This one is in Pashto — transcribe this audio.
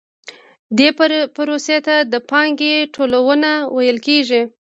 دې پروسې ته د پانګې ټولونه ویل کېږي